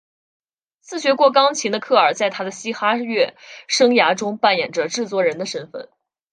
自学过钢琴的科尔在他的嘻哈乐生涯中扮演着制作人的身份。